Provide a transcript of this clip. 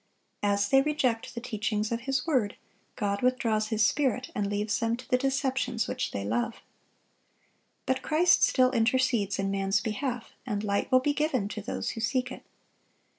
(715) As they reject the teachings of His word, God withdraws His Spirit, and leaves them to the deceptions which they love. But Christ still intercedes in man's behalf, and light will be given to those who seek it.